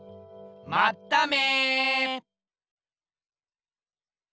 まっため！